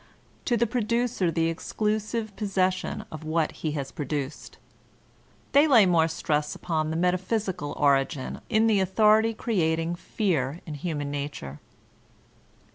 to the producer the exclusive possession of what he has produced). They lay more stress upon its metaphysical origin in the authority creating Fear in human nature.